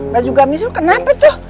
baju gamis lu kenapa tuh